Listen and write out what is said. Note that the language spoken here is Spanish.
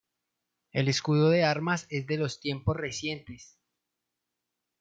El escudo de armas es de los tiempos recientes.